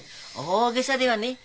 大げさではねえ。